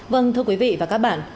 vâng thưa quý vị và các bạn